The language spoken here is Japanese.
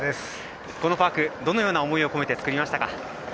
このパークどのような思いを込めて作りましたか？